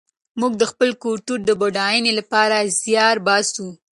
موږ د خپل کلتور د بډاینې لپاره زیار باسو.